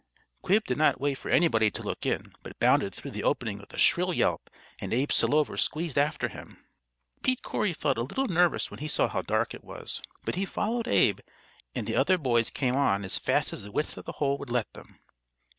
Quib did not wait for anybody to look in, but bounded through the opening with a shrill yelp, and Abe Selover squeezed after him. Pete Corry felt a little nervous when he saw how dark it was, but he followed Abe; and the other boys came on as fast as the width of the hole would let them.